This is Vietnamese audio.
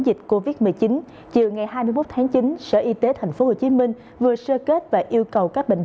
dịch covid một mươi chín chiều ngày hai mươi một tháng chín sở y tế thành phố hồ chí minh vừa sơ kết và yêu cầu các bệnh